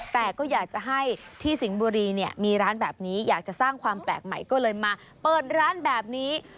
แต่ก็อยากจะให้ที่สิงห์บุรีเนี่ยมีร้านแบบนี้อยากจะสร้างความแปลกใหม่ก็เลยมาเปิดร้านแบบนี้